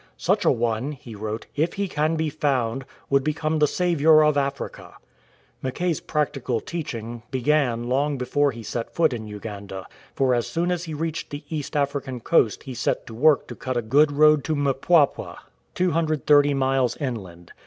" Such a one," he wrote, "if he can be found, would become the saviour of Africa."" Mackay's practical teaching began long before he set foot in Uganda, for as soon as he reached the East African coast he set to work to cut a good road to Mpwapwa, 230 miles inland.